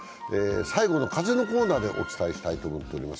最後の「風」のコーナーでお伝えしたいと思っております。